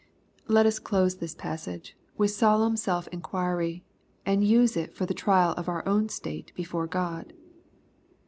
* Let us close this passage with solemn self inquiry, and use it for the trial of our own state before God.